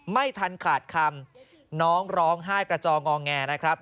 ไม่ทันขาดคำน้องร้องไห้กระจองอแงนะครับ